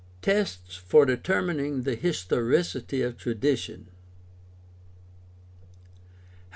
Tests for determining the historicity of tradition.